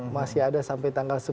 masih ada sampai tanggal sepuluh